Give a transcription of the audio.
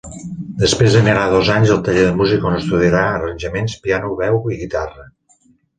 Després anirà dos anys al Taller de Músics on estudiarà arranjaments, piano, veu i guitarra.